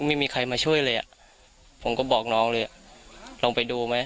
ไม่มีใครมาช่วยเลยอ่ะผมก็บอกน้องเลยอ่ะลองไปดูไหม